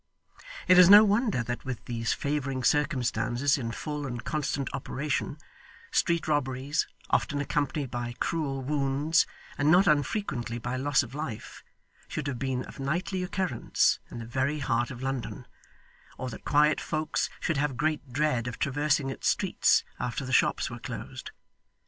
It is no wonder that with these favouring circumstances in full and constant operation, street robberies, often accompanied by cruel wounds, and not unfrequently by loss of life, should have been of nightly occurrence in the very heart of London, or that quiet folks should have had great dread of traversing its streets after the shops were closed.